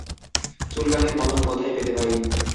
চুলকানির মলম কোথায় পেতে পারি?